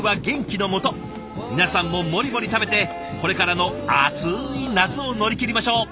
皆さんもモリモリ食べてこれからの暑い夏を乗り切りましょう！